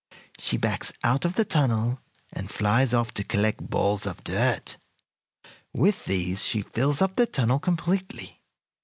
She backs out of the tunnel, and flies off to collect balls of dirt. With these she fills up the tunnel completely.